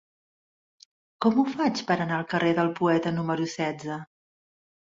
Com ho faig per anar al carrer del Poeta número setze?